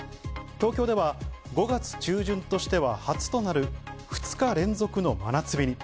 東京では、５月中旬としては初となる２日連続の真夏日に。